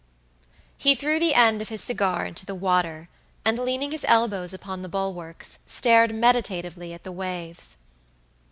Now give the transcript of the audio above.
He threw the end of his cigar into the water, and leaning his elbows upon the bulwarks, stared meditatively at the waves.